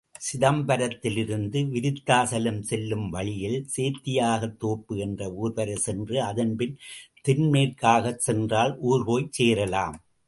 சிதம்பரத்திலிருந்து விருத்தாசலம் செல்லும் வழியில், சேத்தியாத் தோப்பு என்ற ஊர்வரை சென்று அதன்பின் தென்மேற்காகச் சென்றால் ஊர்போய்ச் சேரலாம்.